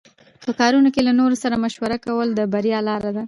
په کارونو کې له نورو سره مشوره کول د بریا لاره ده.